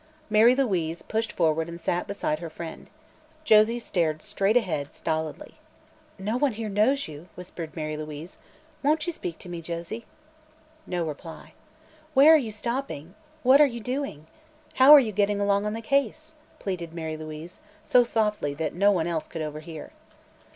Mary Louise pushed forward and sat beside her friend. Josie stared straight ahead, stolidly. "No one here knows you," whispered Mary Louise, "won't you speak to me, Josie?" No reply. "Where are you stopping? What are you doing? How are you getting along on the case?" pleaded Mary Louise, so softly that no one else could overhear.